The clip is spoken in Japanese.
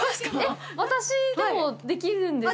私でもできるんですか？